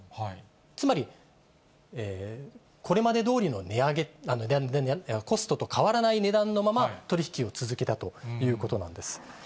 つまり、これまでどおりのコストと変わらないまま、取り引きを続けたということなんです。